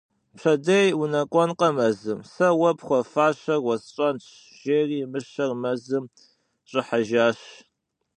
Пщэдей унэкӏуэнкъэ мэзым - сэ уэ пхуэфащэр уэсщӏэнщ, - жери мыщэр мэзым щӏыхьэжащ.